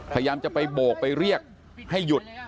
พยายามจะไปโบกไปเรียกให้หยุด